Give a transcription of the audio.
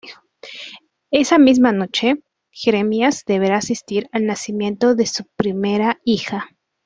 Esa misma noche, Jeremías deberá asistir al nacimiento de su primera hija.